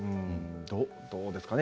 どうですかね。